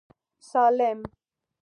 سالم.